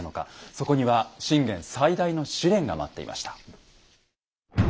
そこには信玄最大の試練が待っていました。